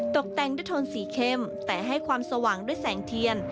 ตกแต่งด้วยโทนสีเข้มแต่ให้ความสว่างด้วยแสงเทียน